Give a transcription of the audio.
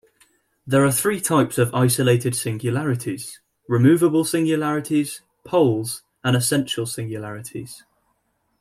There are three types of isolated singularities: removable singularities, poles and essential singularities.